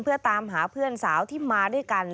เพื่อตามหาเพื่อนสาวที่มาด้วยกัน